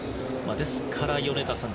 ですから、米田さん